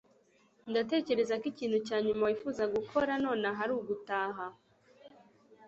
ndatekereza ko ikintu cya nyuma wifuza gukora nonaha ari ugutaha